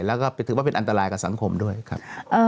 แล้วก็ถือว่าเป็นอันตรายกับสังคมด้วยครับ